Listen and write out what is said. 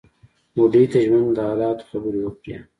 بوډۍ د ژوند له حالاتو خبرې وکړې.